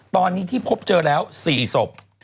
ตอนนี้ที่พบเจอแล้ว๔ศพ